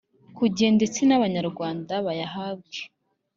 ku gihe ndetse n’Abanyarwanda bayahabwe